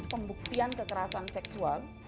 pembuktian kekerasan seksual